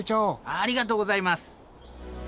ありがとうございます。